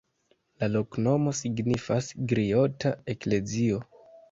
La loknomo signifas: griota-eklezio.